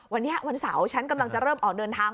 วันนี้วันเสาร์ฉันกำลังจะเริ่มออกเดินทาง